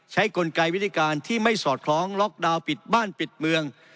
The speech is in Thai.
กลไกวิธีการที่ไม่สอดคล้องล็อกดาวน์ปิดบ้านปิดเมือง